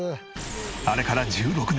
あれから１６年。